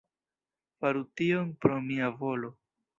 Faru tion pro mia volo.